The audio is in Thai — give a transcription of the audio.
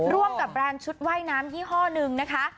ร่วมกับแบรนด์ชุดว่ายน้ำยี่ห้อหนึ่งนะคะ